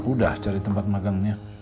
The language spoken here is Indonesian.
udah cari tempat magangnya